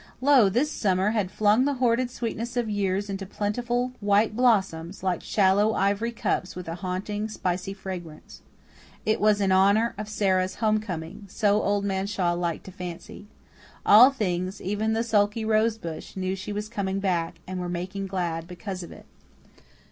Lo! this summer had flung the hoarded sweetness of years into plentiful white blossoms, like shallow ivory cups with a haunting, spicy fragrance. It was in honour of Sara's home coming so Old Man Shaw liked to fancy. All things, even the sulky rose bush, knew she was coming back, and were making glad because of it.